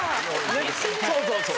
そうそうそう。